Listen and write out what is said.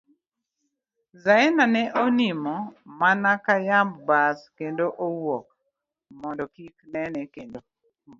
Zaina ne onimo mana ka yamb kus kendo owuok, mondo kik nene kendo.